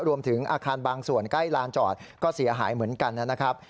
รวมถึงอาคารบางส่วนใกล้ลานจอดก็เสียหายเหมือนกันนะครับ